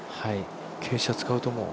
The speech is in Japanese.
傾斜使うと思う？